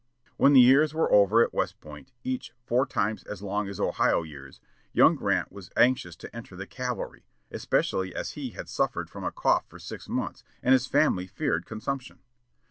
When the years were over at West Point, each "four times as long as Ohio years," young Grant was anxious to enter the cavalry, especially as he had suffered from a cough for six months, and his family feared consumption.